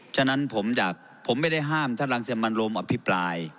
ฉะนั้นผมจะผมไม่ได้ห้ามท่านรังสิมันโรมอภิปราย